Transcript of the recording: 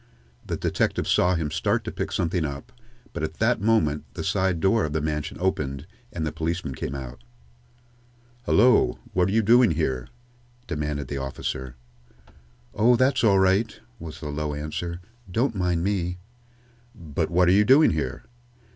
The detective saw him start to pick something up, but at that moment the side door of the mansion opened and the policeman came out. "Hullo! What are you doing here?" demanded the officer. "Oh, that's all right," was the low answer. "Don't mind me." "But what are you doing here?"